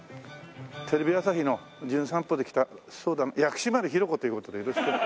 テレビ朝日の『じゅん散歩』で来た薬師丸ひろ子という事でよろしく。